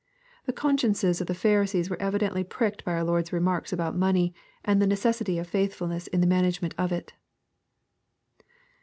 The consciences of the Pharisees were evidently pricked by our Lord's remarks about money, and the necessity of faitlifulness in the management of it.